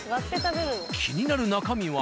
気になる中身は。